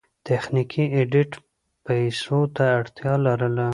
تخنیکي ایډېټ پیسو ته اړتیا لرله.